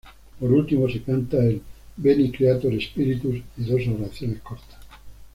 Por último, se canta el "Veni Creator Spiritus" y dos oraciones cortas.